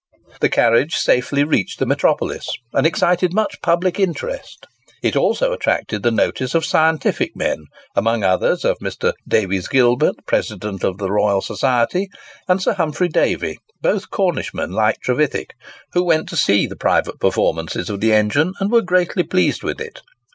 The carriage safely reached the metropolis, and excited much public interest. It also attracted the notice of scientific men, amongst others of Mr. Davies Gilbert, President of the Royal Society, and Sir Humphry Davy, both Cornishmen like Trevithick, who went to see the private performances of the engine, and were greatly pleased with it.